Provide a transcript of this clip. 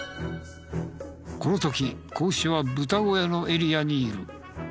この時子牛はブタ小屋のエリアにいる。